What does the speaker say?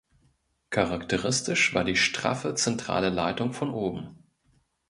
Charakteristisch war die straffe zentrale Leitung von oben.